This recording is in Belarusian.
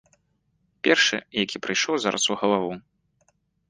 Першы, які прыйшоў зараз у галаву.